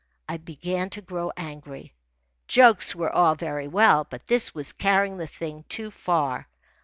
I began to grow angry. Jokes were all very well, but this was carrying the thing too far.